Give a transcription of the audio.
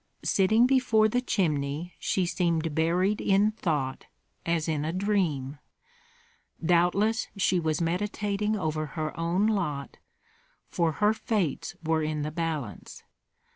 Sitting before the chimney, she seemed buried in thought, as in a dream; doubtless she was meditating over her own lot, for her fates were in the balance.